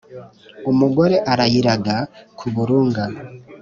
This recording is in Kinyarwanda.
umugore arayiraga ku burunga.